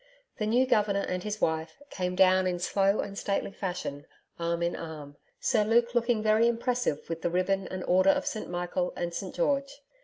The new Governor and his wife came down in slow and stately fashion, arm in arm, Sir Luke looking very impressive with the Ribbon and Order of St Michael and St George.